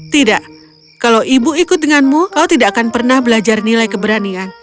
tidak kalau ibu ikut denganmu kau tidak akan pernah belajar nilai keberanian